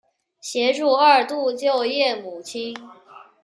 协助二度就业母亲